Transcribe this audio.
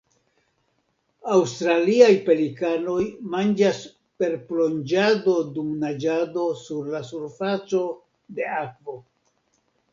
Aŭstraliaj pelikanoj manĝas per plonĝado dum naĝado sur la surfaco de akvo.